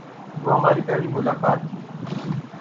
وہ ہماری پہلی ملاقات تھی۔